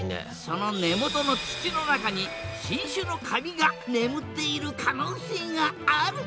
その根元の土の中に新種のカビが眠っている可能性がある！？